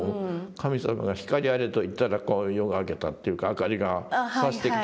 神様が「光あれ」と言ったら夜が明けたっていうか明かりがさしてきたというのがありますね。